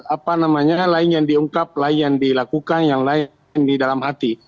apa namanya lain yang diungkap lain dilakukan yang lain di dalam hati